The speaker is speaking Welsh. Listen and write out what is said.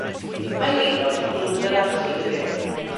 Mae'n aelod o Glwb yr Archwilwyr.